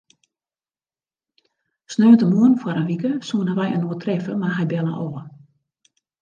Sneontemoarn foar in wike soene wy inoar treffe, mar hy belle ôf.